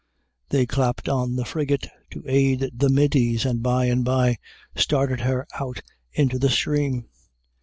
_ They clapped on the frigate to aid the middies, and by and by started her out into the stream.